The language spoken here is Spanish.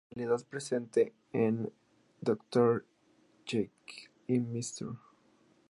La dualidad presente en "Dr. Jekyll y Mr.